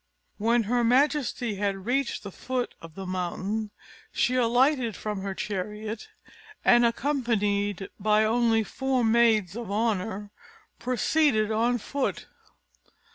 When her majesty had reached the foot of the mountain, she alighted from her chariot, and, accompanied by only four maids of honour, proceeded on foot.